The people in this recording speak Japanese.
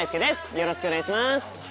よろしくお願いします。